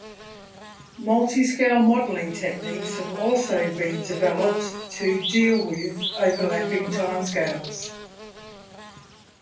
Multiscale modeling techniques have also been developed to deal with overlapping time scales.